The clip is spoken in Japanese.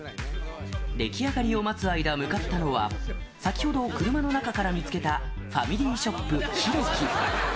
出来上がりを待つ間、向かったのは、先ほど車の中から見つけた、ファミリーショップひろき。